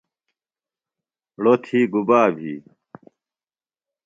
ڑو تھی گُبا بھی؟